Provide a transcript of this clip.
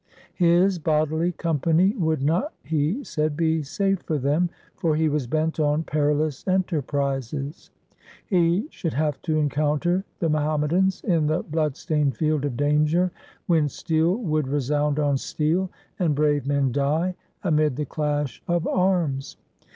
His bodily company would not he said be safe for them, for he was bent on perilous enterprises. He should have to encounter the Muhammadans in the blood stained field of danger, when steel would resound on steel and brave men die amid the clash of arms.